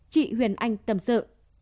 chị huyền anh tầm sự